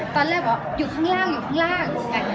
ตอนแรกบอกอยู่ข้างล่างอยู่ข้างล่าง